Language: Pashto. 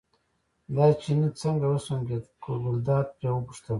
دا چيني څنګه وسونګېد، ګلداد پرې وپوښتل.